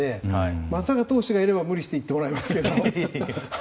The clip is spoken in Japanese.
松坂投手がいるなら無理して行ってもらいますけど。